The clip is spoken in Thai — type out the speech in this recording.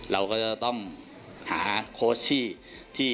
เราก็จะต้องหาโค้ชที่